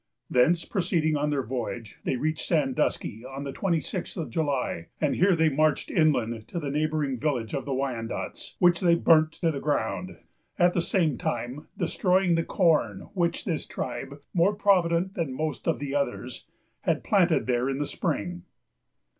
Thence, proceeding on their voyage, they reached Sandusky on the twenty sixth of July; and here they marched inland to the neighboring village of the Wyandots, which they burnt to the ground, at the same time destroying the corn, which this tribe, more provident than most of the others, had planted there in the spring.